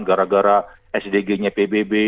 gara gara sdg nya pbb